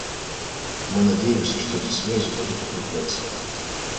Мы надеемся, что эти связи будут укрепляться.